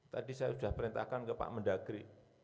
tadi saya sudah perintahkan ke pak mendagri